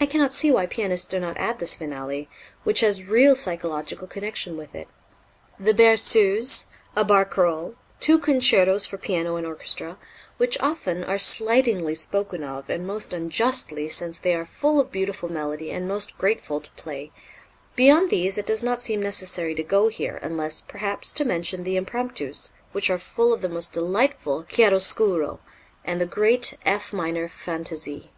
I cannot see why pianists do not add this finale, which has real psychological connection with it. The "Berceuse," a "Barcarolle," two "Concertos for Piano and Orchestra," which often are slightingly spoken of, and most unjustly, since they are full of beautiful melody and most grateful to play beyond these it does not seem necessary to go here, unless, perhaps, to mention the Impromptus, which are full of the most delightful chiaroscuro, and the great F minor "Fantaisie."